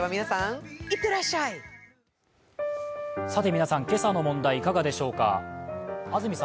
皆さん、今朝の問題いかがでしょうか。